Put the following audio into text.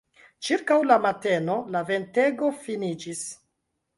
Ĉirkaŭ la mateno la ventego finiĝis.